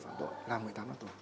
phạm tội là một mươi tám năm tù